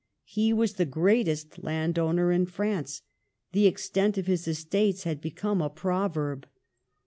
He was the greatest landowner in France ; the extent of his estates had become a proverb.